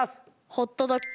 ホットドッグ。